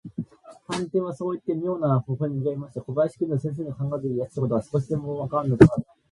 探偵はそういって、みょうな微笑をうかべましたが、小林君には、先生の考えていらっしゃることが、少しもわからぬものですから、